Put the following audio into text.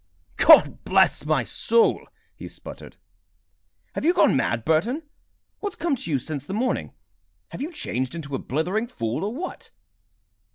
"God bless my soul!" he spluttered. "Have you gone mad, Burton? What's come to you since the morning? Have you changed into a blithering fool, or what?"